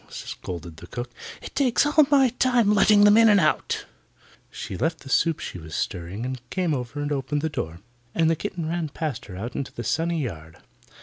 scolded the cook. "It takes all my time letting them in and out." She left the soup she was stirring and came over and opened the door, and the kitten ran past her out into the sunny yard.